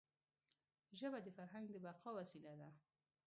ژبه د فرهنګ د بقا وسیله ده.